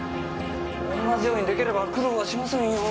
同じように出来れば苦労はしませんよ。